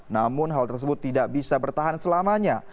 namun hal tersebut tidak bisa bertahan selamanya